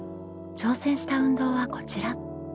挑戦した運動はこちら。